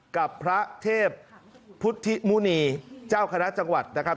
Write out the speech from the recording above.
กับพระเทพพุทธิมุณีเจ้าคณะจังหวัดนะครับ